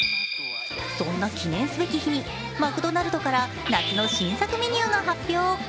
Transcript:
そんな記念すべき日に、マクドナルドから夏の新作メニューが発表。